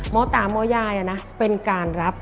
มอตามอญ่ายเป็นการรับ